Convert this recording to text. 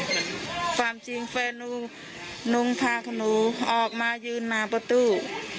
ความจริงแฟนหนูลุงพาหนูออกมายืนมาประตู